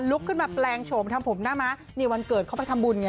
ขึ้นมาแปลงโฉมทำผมหน้าม้านี่วันเกิดเขาไปทำบุญไง